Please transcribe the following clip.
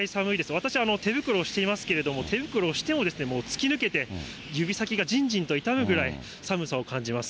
私、手袋をしていますけれども、手袋をしても、もう突き抜けて、指先がじんじんと痛むぐらい、寒さを感じます。